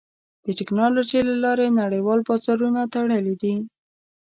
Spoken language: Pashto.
د ټکنالوجۍ له لارې نړیوال بازارونه تړلي دي.